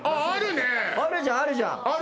あるじゃんあるじゃん！